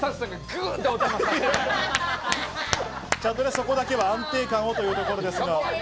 そこだけは安定感をというところです。